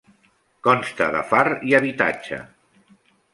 Consta de far i habitatge.